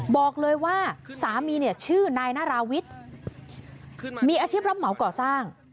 บอกเลยว่าสามีเนี่ยชื่อนายนาราวิทย์มีอาชีพรับเหมาก่อสร้าง